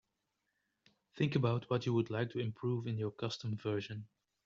Think about what you would like to improve in your custom version.